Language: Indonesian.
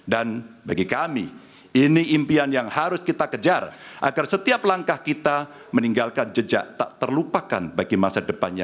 dan bagi kami ini impian yang harus kita kejar agar setiap langkah kita meninggalkan jejak tak terlupakan bagi masa depan